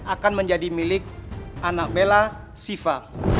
akan menjadi milik anak bela siva